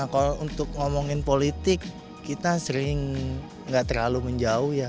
kalau untuk ngomongin politik kita sering nggak terlalu menjauh ya